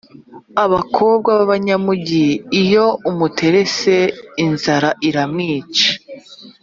Abakobwa babanyamujyi iyo umuterese inzara iramwica